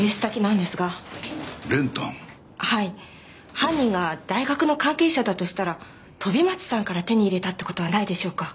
犯人が大学の関係者だとしたら飛松さんから手に入れたって事はないでしょうか？